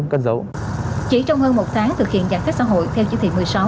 chỉ trong hơn một tháng thực hiện giải phép xã hội theo chỉ thị một mươi sáu